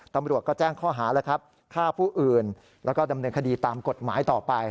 ตำรวจก็แจ้งข้อหาแล้วครับฆ่าผู้อื่นแล้วก็ดำเนินคดีตามกฎหมายต่อไป